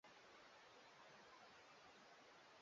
Eunoto sherehe ya kubalehe kwa mpiganaji